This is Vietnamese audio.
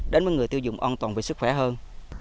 đến với người tiêu dùng an toàn về sức khỏe hơn